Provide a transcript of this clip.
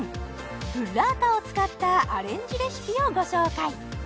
ブッラータを使ったアレンジレシピをご紹介！